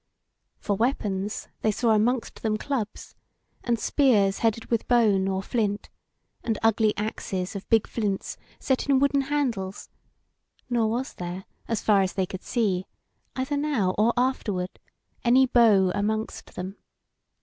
For weapons they saw amongst them clubs, and spears headed with bone or flint, and ugly axes of big flints set in wooden handles; nor was there, as far as they could see, either now or afterward, any bow amongst them.